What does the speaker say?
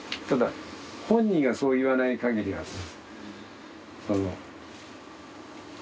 ただ本人がそう言わないかぎりは。